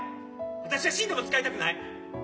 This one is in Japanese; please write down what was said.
私は死んでも使いたくない。